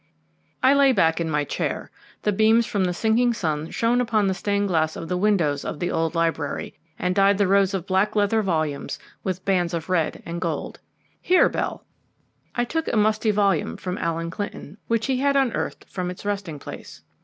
I lay back in my chair. The beams from the sinking sun shone through the stained glass of the windows of the old library, and dyed the rows of black leather volumes with bands of red and yellow. "Here, Bell!" I took a musty volume from Allen Clinton, which he had unearthed from its resting place.